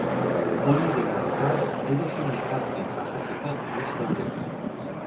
Hori dela eta, edozein ekarpen jasotzeko prest daude.